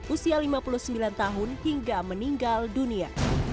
usia lima puluh sembilan tahun hingga meninggal dunia